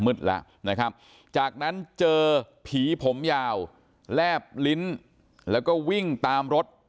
แล้วนะครับจากนั้นเจอผีผมยาวแลบลิ้นแล้วก็วิ่งตามรถ